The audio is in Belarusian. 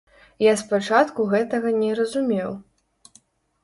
Я спачатку гэтага не разумеў.